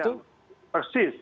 itu yang persis